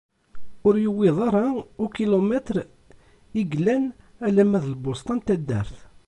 Ur yewwiḍ ara ukilumitr i yellan alamma d lbusṭa n taddart.